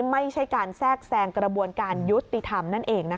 ไม่ใช่การแทรกแซงกระบวนการยุติธรรมนั่นเอง